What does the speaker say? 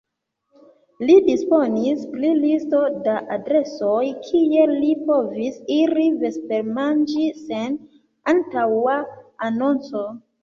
Li disponis pri listo da adresoj, kie li povis iri vespermanĝi sen antaŭa anonco.